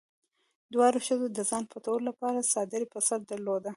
دواړو ښځو د ځان پټولو لپاره څادري په سر درلوده.